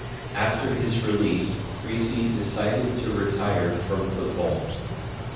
After his release, Griese decided to retire from football.